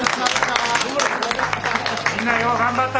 みんなよう頑張ったわ。